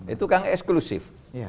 itu kan eksklusif